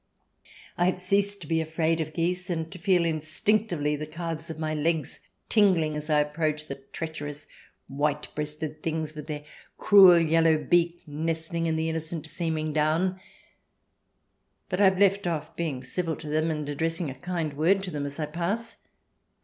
I have ceased to be afraid of geese and to feel instinctively the calves of my legs tingling as I approach the treacherous, white breasted things with the cruel yellow beak i86 THE DESIRABLE ALIEN [ch. xiv nestling in the innocent seeming down. But I have left off being civil to them and addressing a kind word to them as I pass.